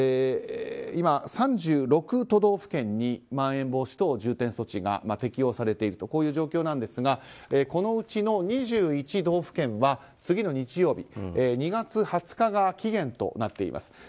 今３６都道府県にまん延防止等重点措置が適用されているという状況なんですがこのうちの２１道府県は次の日曜日２月２０日が期限となっています。